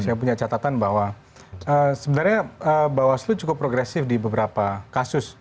saya punya catatan bahwa sebenarnya bawaslu cukup progresif di beberapa kasus